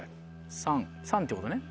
３３ってことね。